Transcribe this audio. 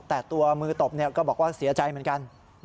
แต่ตัวมือตบก็บอกว่าเสียใจเหมือนกัน